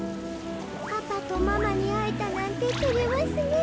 パパとママにあえたなんててれますねえ。